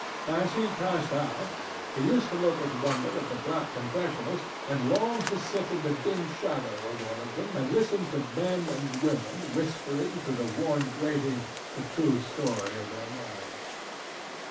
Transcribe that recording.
As he passed out, he used to look with wonder at the black confessionals and long to sit in the dim shadow of one of them and listen to men and women whispering through the worn grating the true story of their lives.